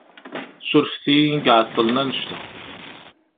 Surfet-iyi i iεeṭṭlen annect-a.